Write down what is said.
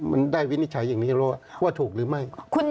มันได้วินิจฉัยอย่างนี้แล้วว่าถูกหรือไม่